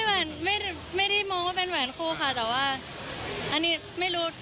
แหวนไม่ได้มองว่าเป็นแหวนคู่ค่ะแต่ว่าอันนี้ไม่รู้